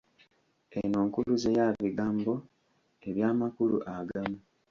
Eno nkuluze ya bigambo eby’amakulu agamu.